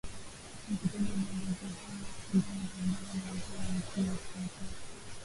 mkutano wa viongozi hao wa sudan uliongozwa na waziri mkuu wa ethiopia